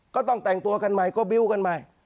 ก็ต้องแต่งตัวกันใหม่ก็บิวต์กันใหม่